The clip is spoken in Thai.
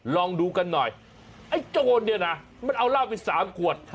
ลองดูกันหน่อยไอ้โจรเนี่ยนะมันเอาเหล้าไป๓ขวด